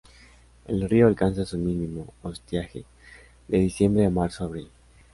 El río alcanza su mínimo, o estiaje, de diciembre a marzo-abril.